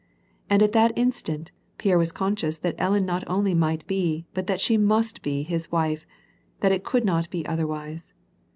And at that instant, Pierre was conscious that Ellen not only might be, but that she must be his wife, that it could not be otherwise.